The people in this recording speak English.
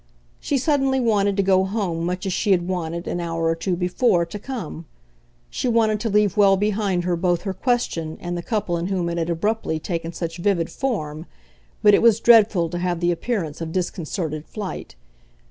She suddenly wanted to go home much as she had wanted, an hour or two before, to come. She wanted to leave well behind her both her question and the couple in whom it had, abruptly, taken such vivid form but it was dreadful to have the appearance of disconcerted flight.